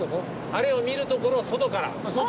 あれを見る所を外から。